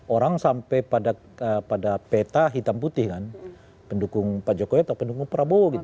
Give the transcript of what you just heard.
orang sampai pada peta hitam putih kan pendukung pak jokowi atau pendukung prabowo gitu